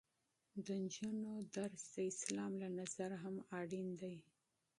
د نجونو تعلیم د اسلام له نظره هم اړین دی.